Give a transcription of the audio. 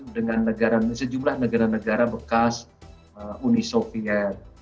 dengan sejumlah negara negara bekas uni soviet